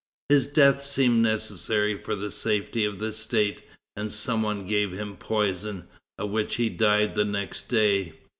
His death seemed necessary for the safety of the state, and some one gave him poison, of which he died the next day.